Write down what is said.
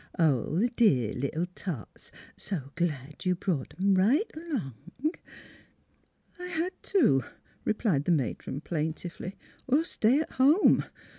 ... Oh, th' dear little tots! So glad you brought 'em right along. ''*' I had to," replied the matron, plaintively, " or stay at home.